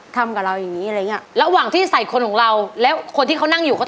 ไปไหนแล้วไม่รู้